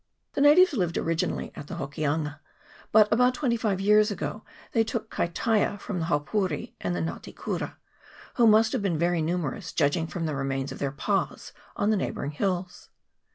The natives lived originally at the Hokianga, but about twenty five years ago they took Kaitaia from the Haupouri and Nga te kuri, who must have been very numerous, judging from the remains of their pas on the neighbouring hills.